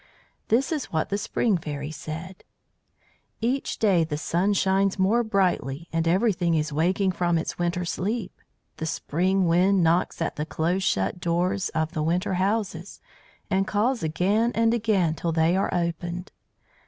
This is what the Spring Fairy said: "Each day the sun shines more brightly, and everything is waking from its winter sleep. The spring wind knocks at the close shut doors of the winter houses, and calls again and again till they are opened.